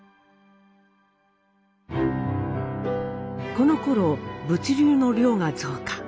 このころ物流の量が増加。